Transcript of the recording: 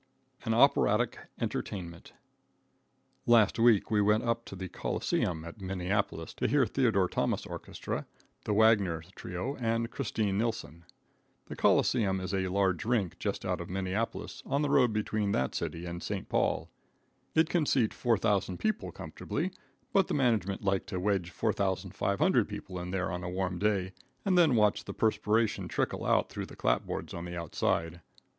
An Operatic Entertainment. Last week we went up to the Coliseum, at Minneapolis, to hear Theodore Thomas' orchestra, the Wagner trio and Christine Nilsson. The Coliseum is a large rink just out of Minneapolis, on the road between that city and St. Paul. It can seat 4,000 people comfortably, but the management like to wedge 4,500 people in there on a warm day, and then watch the perspiration trickle out through the clapboards on the outside.